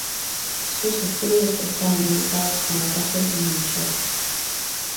Sus estudios estaban ubicados en la calle Major.